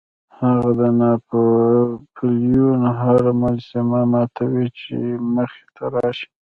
هغه د ناپلیون هره مجسمه ماتوي چې مخې ته راشي.